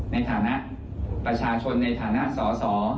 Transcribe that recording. ในฐานะประชาชนในฐานะสอสอ